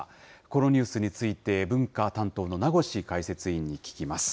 このニュースについて、文化担当の名越解説委員に聞きます。